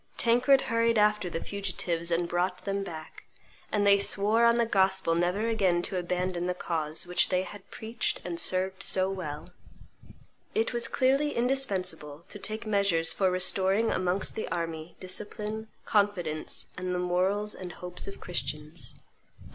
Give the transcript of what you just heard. Tancred hurried after the fugitives and brought then back; and they swore on the Gospel never again to abandon the cause which they had preached and served so well. It was clearly indispensable to take measures for restoring amongst the army discipline, confidence, and the morals and hopes of Christians.